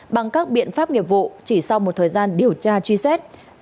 bằng các biện pháp nghiệp vụ chỉ sau một thời gian điều tra truy xét